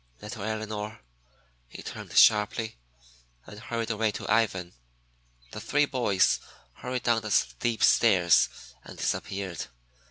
Little Elinor " He turned sharply, and hurried away to Ivan. The three boys hurried down the steep stairs and disappeared.